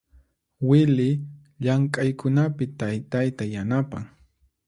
Wily llamk'aykunapi taytayta yanapan.